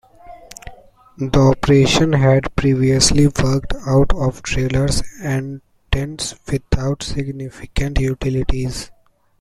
The operation had previously worked out of trailers and tents, without significant utilities.